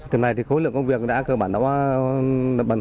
thế này khối lượng công việc đã cơ bản